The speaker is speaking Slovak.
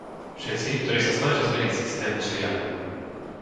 Všetci, ktorí sa snažia zmeniť systém, zlyhajú.